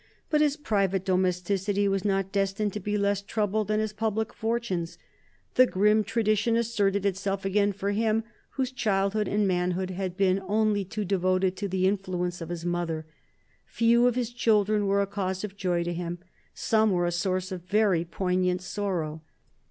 But his private domesticity was not destined to be less troubled than his public fortunes. The grim tradition asserted itself again for him whose childhood and manhood had been only too devoted to the influence of his mother. Few of his children were a cause of joy to him; some were a source of very poignant sorrow.